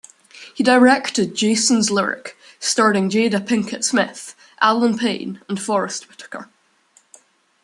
He directed "Jason's Lyric" starring Jada Pinkett Smith, Allen Payne, and Forest Whitaker.